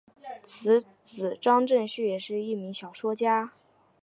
其子王震绪也是一名小说家。